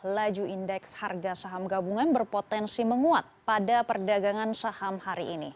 laju indeks harga saham gabungan berpotensi menguat pada perdagangan saham hari ini